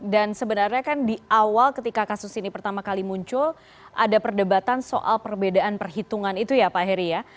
dan sebenarnya kan di awal ketika kasus ini pertama kali muncul ada perdebatan soal perbedaan perhitungan itu ya pak heri ya